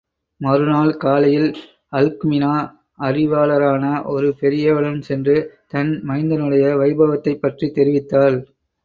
மறுநாள் காலையில் அல்க்மினா, அறிவாளரான ஒரு பெரியவரிடம் சென்று, தன் மைந்தனுடைய வைபவத்தைப்பற்றித் தெரிவித்தாள்.